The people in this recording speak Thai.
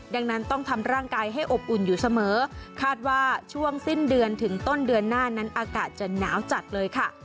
ดังนั้นต้องทำร่างกายให้อบอุ่นอยู่เสมอคาดว่าช่วงสิ้นเดือนถึงต้นเดือนหน้านั้นอากาศจะหนาวจัดเลยค่ะ